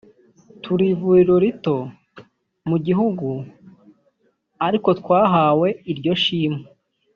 turi ivuriro rito mu gihugu ariko twahawe iryo shimwe